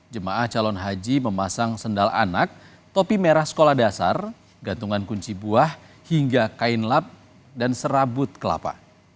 jemaah calon haji memasang sendal anak topi merah sekolah dasar gantungan kunci buah hingga kain lap dan serabut kelapa